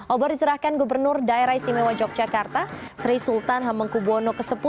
obor diserahkan gubernur daerah istimewa yogyakarta sri sultan hamengkubwono x